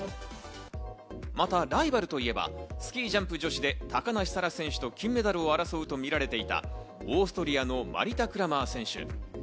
またライバルといえばスキージャンプ女子で高梨沙羅選手と金メダルを争うとみられていたオーストリアのマリタ・クラマー選手。